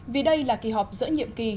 vì đây là kỳ họp giữa nhiệm kỳ